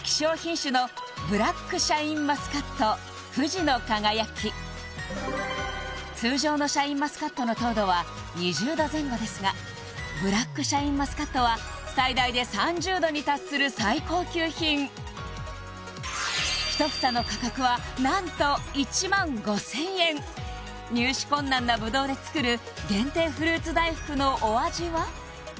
これこちらが通常のシャインマスカットの糖度は２０度前後ですがブラックシャインマスカットは最大で３０度に達する最高級品一房の価格は何と１５０００円入手困難なぶどうで作る限定フルーツ大福のお味は？